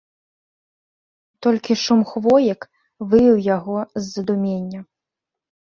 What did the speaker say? Толькі шум хвоек вывеў яго з задумення.